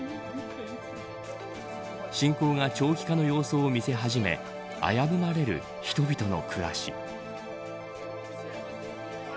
侵攻が長期化の様相を見せ始め危ぶまれる人々の暮らし。